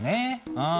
うん。